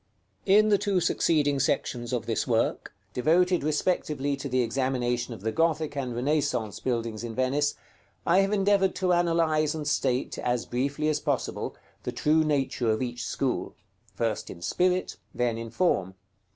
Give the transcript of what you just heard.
§ XXIII. In the two succeeding sections of this work, devoted respectively to the examination of the Gothic and Renaissance buildings in Venice, I have endeavored to analyze and state, as briefly as possible, the true nature of each school, first in Spirit, then in Form.